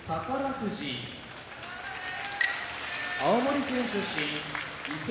富士青森県出身伊勢ヶ濱部屋